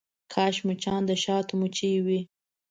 کاش مچان د شاتو مچۍ وی.